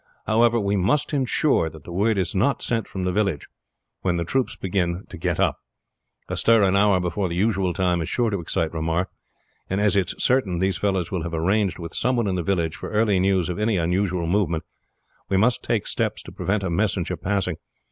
However, we must insure that word is not sent from the village, when the troops begin to get up. A stir an hour before the usual time is sure to excite remark, and as it is certain these fellows will have arranged with some one in the village for early news of any unusual movement, we must take steps to prevent a messenger passing.